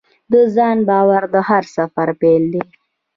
د ځان باور د هر سفر پیل دی.